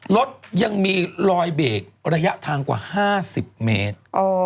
รถยังมีรอยเบรกระยะทางกว่า๕๐เมตร